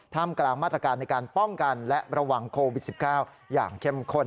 กลางมาตรการในการป้องกันและระวังโควิด๑๙อย่างเข้มข้น